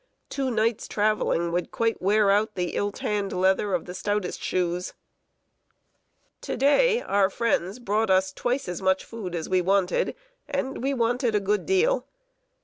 Two nights' traveling would quite wear out the ill tanned leather of the stoutest soles. To day, our friends brought us twice as much food as we wanted, and we wanted a great deal.